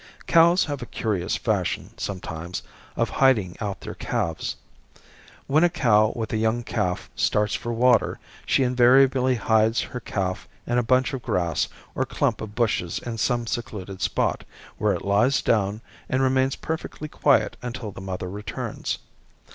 Cows have a curious fashion, sometimes, of hiding out their calves. When a cow with a young calf starts for water she invariably hides her calf in a bunch of grass or clump of bushes in some secluded spot, where it lies down and remains perfectly quiet until the mother returns.